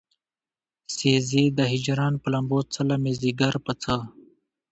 سيزې د هجران پۀ لمبو څله مې ځيګر پۀ څۀ